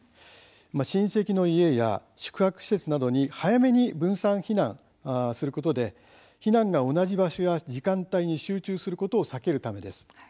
親戚の家や宿泊施設などに早めに分散避難することで避難が同じ場所や時間帯に集中することを避けるためです。